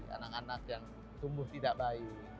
anak anak yang tumbuh tidak baik